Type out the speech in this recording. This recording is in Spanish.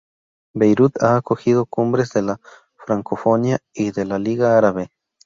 Beirut ha acogido cumbres de la francofonía y de la Liga Árabe.